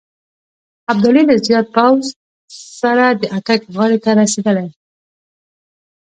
ابدالي له زیات پوځ سره د اټک غاړې ته رسېدلی.